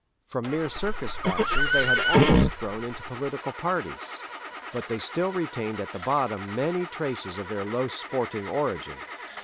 From mere Circus factions they had almost grown into political parties; but they still retained at the bottom many traces of their low sporting origin.